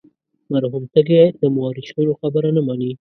مرحوم تږی د مورخینو خبره نه مني.